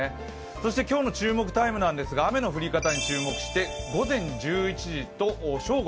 そして今日の注目タイムなんですが、雨の降り方に注目して午前１１時と、正午。